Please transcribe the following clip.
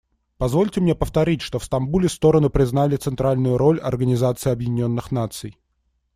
Позвольте мне повторить, что в Стамбуле стороны признали центральную роль Организации Объединенных Наций.